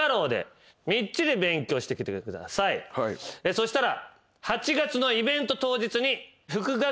そしたら。